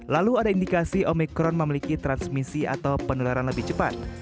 lalu ada indikasi omikron memiliki transmisi atau penularan lebih cepat